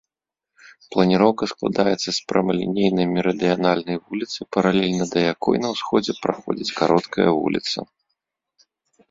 Планіроўка складаецца з прамалінейнай мерыдыянальнай вуліцы, паралельна да якой на ўсходзе праходзіць кароткая вуліца.